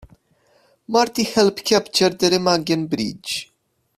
Marty helped capture the Remagen Bridge.